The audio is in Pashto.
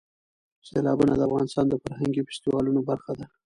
سیلابونه د افغانستان د فرهنګي فستیوالونو برخه ده.